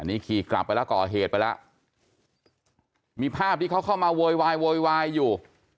นี่ขี่กลับไปแล้วก่อเหตุไปแล้วมีภาพที่เขาเข้ามาโวยวายโวยวายอยู่